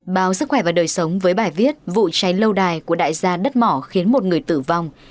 báo sức khỏe và đời sống với bài viết vụ cháy lâu đài của đại gia đất mỏ khiến một người tử vong